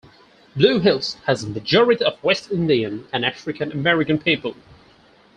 Blue Hills has a majority of West Indian and African American people.